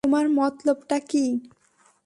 তোমার মতলবটা কী?